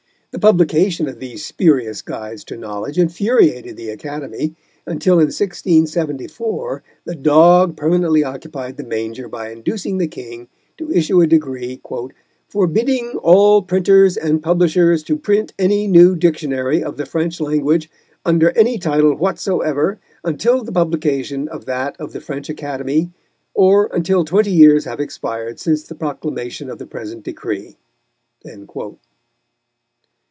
The publication of these spurious guides to knowledge infuriated the Academy, until in 1674 the dog permanently occupied the manger by inducing the King to issue a decree "forbidding all printers and publishers to print any new dictionary of the French language, under any title whatsoever, until the publication of that of the French Academy, or until twenty years have expired since the proclamation of the present decree."